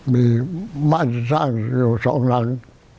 มีบ้านสร้างสองหลัง